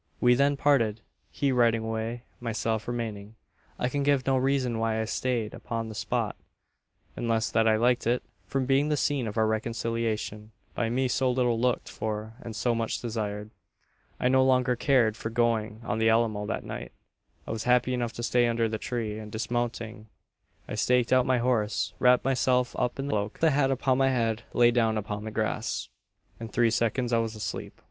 "We then parted he riding away, myself remaining. "I can give no reason why I stayed upon the spot; unless that I liked it, from being the scene of our reconciliation by me so little looked for and so much desired. "I no longer cared for going on to the Alamo that night. I was happy enough to stay under the tree; and, dismounting, I staked out my horse; wrapped myself up in the cloak; and with the hat upon my head, lay down upon the grass. "In three seconds I was asleep.